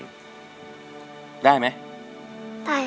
ร้องได้ไข่ล้าง